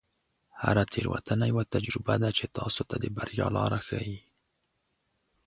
هره تیروتنه یوه تجربه ده چې تاسو ته د بریا لاره ښیي.